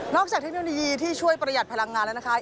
เทคโนโลยีที่ช่วยประหยัดพลังงานแล้วนะคะ